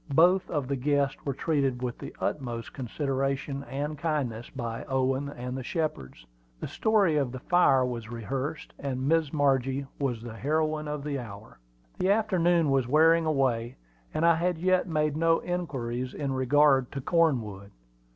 Both of the guests were treated with the utmost consideration and kindness by Owen and the Shepards. The story of the fire was rehearsed, and Miss Margie was the heroine of the hour. The afternoon was wearing away, and I had yet made no inquiries in regard to Cornwood.